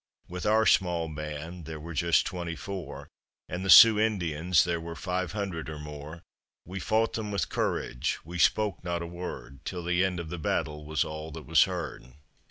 With our small band, there were just twenty four, And the Sioux Indians there were five hundred or more, We fought them with courage; we spoke not a word, Till the end of the battle was all that was heard.